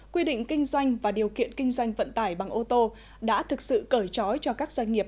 quy định kinh doanh và điều kiện kinh doanh vận tải bằng ô tô đã thực sự cởi trói cho các doanh nghiệp